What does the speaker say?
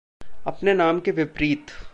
अपने नाम के विपरीत